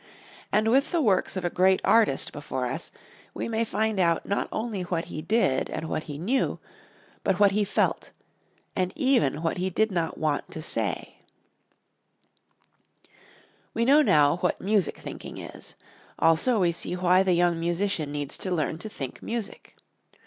And with the works of a great artist before us we may find out not only what he did and what he knew, but what he felt and even what he did not want to say. We now know what music thinking is. Also, we see why the young musician needs to learn to think music.